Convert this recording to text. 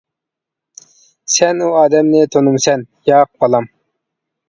سەن ئۇ ئادەمنى تونۇمسەن؟ ياق بالام.